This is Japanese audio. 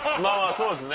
そうですね。